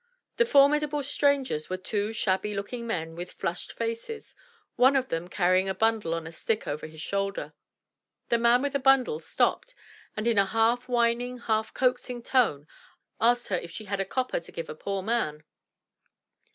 The formidable strangers were two shabby looking men with flushed faces, one of them carrying a bundle on a stick over his shoulder. The man with a bundle stopped, and in a half whining, half coaxing tone asked her if she had a copper to give a poor man.